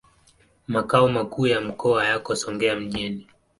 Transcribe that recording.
Makao makuu ya mkoa yako Songea mjini.